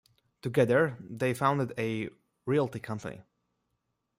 Together, they founded a realty company.